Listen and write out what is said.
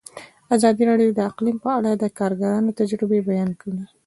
ازادي راډیو د اقلیم په اړه د کارګرانو تجربې بیان کړي.